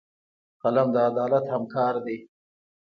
قلم د عدالت همکار دی